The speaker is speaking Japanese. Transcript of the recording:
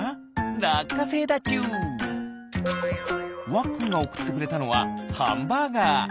わっくんがおくってくれたのはハンバーガー。